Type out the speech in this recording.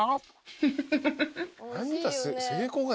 フフフフ。